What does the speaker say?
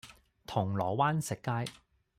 銅鑼灣食街